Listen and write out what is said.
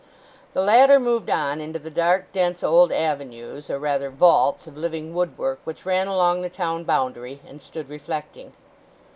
The latter moved on into the dark dense old avenues, or rather vaults of living woodwork, which ran along the town boundary, and stood reflecting.